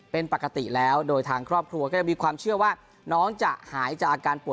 เป็นปกติแล้วโดยทางครอบครัวก็ยังมีความเชื่อว่าน้องจะหายจากอาการป่วย